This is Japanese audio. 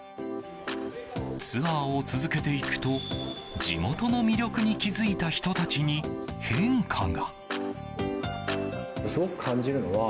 ツアーを続けていくと地元の魅力に気付いた人たちに変化が。